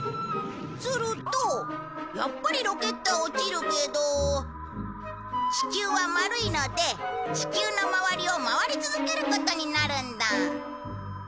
するとやっぱりロケットは落ちるけど地球は丸いので地球の周りを回り続けることになるんだ。